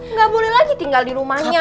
nggak boleh lagi tinggal di rumahnya